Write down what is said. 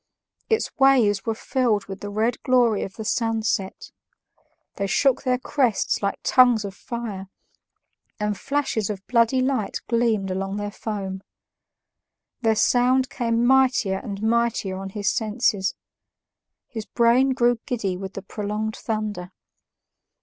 Its waves were filled with the red glory of the sunset; they shook their crests like tongues of fire, and flashes of bloody light gleamed along their foam. Their sound came mightier and mightier on his senses; his brain grew giddy with the prolonged thunder.